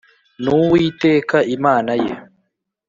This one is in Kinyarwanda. N uwiteka imana ye